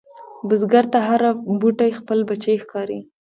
بزګر ته هره بوټۍ خپل بچی ښکاري